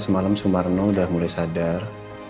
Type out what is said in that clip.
semalam sumarno sudah mulai sadar